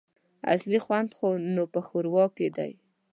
اصلي خوند خو نو په ښوروا کي دی !